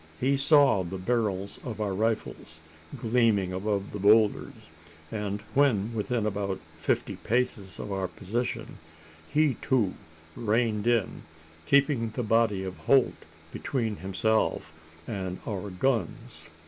He saw the barrels of our rifles gleaming above the boulders; and, when within about fifty paces of our position, he too reined in keeping the body of Holt between himself and our guns.